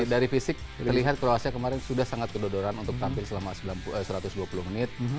dari fisik terlihat kroasia kemarin sudah sangat kedodoran untuk tampil selama satu ratus dua puluh menit